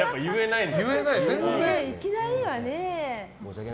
いきなりはね。